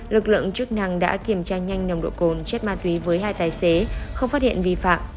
lực lượng chức năng đã kiểm tra nhanh nồng độ cồn chất ma túy với hai tài xế không phát hiện vi phạm